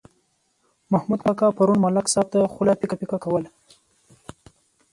محمود کاکا پرون ملک صاحب ته خوله پیکه پیکه کوله.